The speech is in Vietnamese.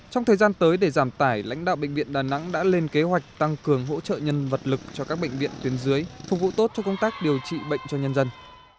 trong thời gian tới để giảm tải lãnh đạo bệnh viện đà nẵng đã lên kế hoạch tăng cường hỗ trợ nhân vật lực cho các bệnh viện tuyến dưới phục vụ tốt cho công tác điều trị bệnh cho nhân dân